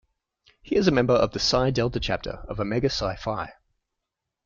He is a member of the Psi Delta Chapter of Omega Psi Phi.